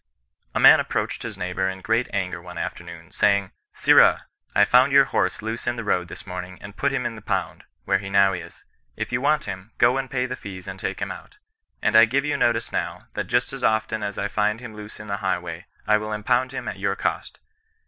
'< A man approached his neighbour in great anger one afternoon, saying — Sirrah ! I found your horse loose in the road this morning, and put him in the pound, where he now is. If you want him, go and pay the fees and take him out. And I give you notice now, that just as often as I find him loose in the highway, I will impound him at your cost.